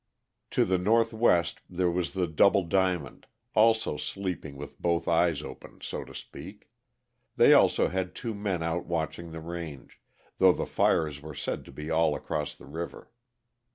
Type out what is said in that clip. To the northwest there was the Double Diamond, also sleeping with both eyes open, so to speak. They also had two men out watching the range, though the fires were said to be all across the river.